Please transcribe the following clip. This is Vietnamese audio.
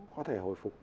có thể hồi phục